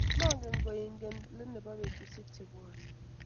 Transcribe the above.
Mongen kokiingen let nebo betusiek chebwonei